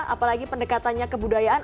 apalagi pendekatannya ke budayaan